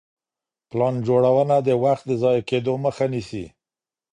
پلان جوړونه د وخت د ضايع کيدو مخه نيسي.